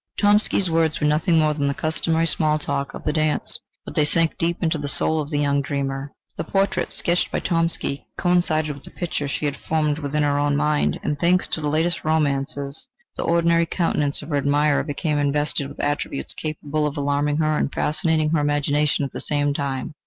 Tomsky's words were nothing more than the customary small talk of the dance, but they sank deep into the soul of the young dreamer. The portrait, sketched by Tomsky, coincided with the picture she had formed within her own mind, and thanks to the latest romances, the ordinary countenance of her admirer became invested with attributes capable of alarming her and fascinating her imagination at the same time.